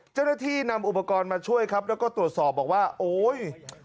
เจ้าหน้าที่นำอุปกรณ์มาช่วยครับแล้วก็ตรวจสอบบอกว่าโอ้ย